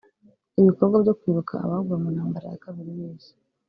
ibikorwa byo kwibuka abaguye mu ntambara ya kabiri y’isi